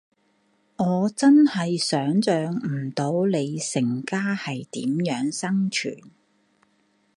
我真係想像唔到你成家係點樣生存